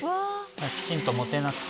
きちんと持てなくて。